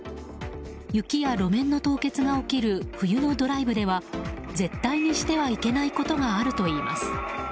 雪や路面の凍結が起きる冬のドライブでは絶対にしてはいけないことがあるといいます。